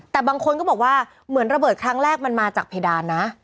แต่บางคนก็บอกว่าเหมือนระเบิดครั้งแรกมันมาจากเพดานนะ